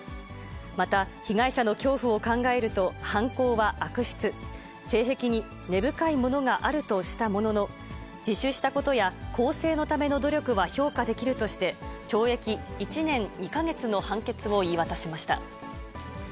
また、被害者の恐怖を考えると、犯行は悪質、性癖に根深いものがあるとしたものの、自首したことや、更生のための努力は評価できるとして、懲役１年２か月の判決を言い渡しました。